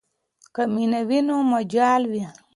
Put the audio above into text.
که مینه وي نو مجال وي.